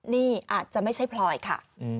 นี่อาจจะไม่ใช่พลอยค่ะ